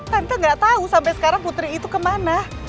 tante gak tahu sampai sekarang putri itu kemana